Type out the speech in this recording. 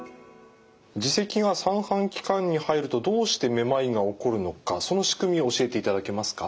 耳石が三半規管に入るとどうしてめまいが起こるのかその仕組みを教えていただけますか。